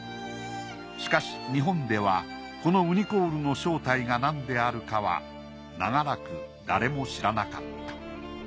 しかし日本ではこのウニコウルの正体が何であるかは長らく誰も知らなかった。